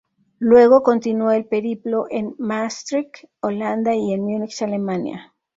Luego continuó el periplo en Maastricht, Holanda y en Münich, Alemania.